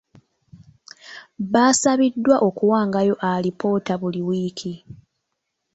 Baasabiddwa okuwangayo alipoota buli wiiki.